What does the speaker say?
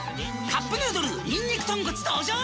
「カップヌードルにんにく豚骨」登場！